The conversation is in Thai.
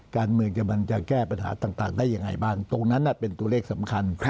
การเมืองมันจะแก้ปัญหาต่างได้ยังไงบ้างตรงนั้นเป็นตัวเลขสำคัญ